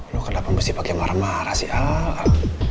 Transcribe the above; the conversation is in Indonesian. lu kenapa mesti pake marah marah sih al